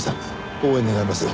応援願います。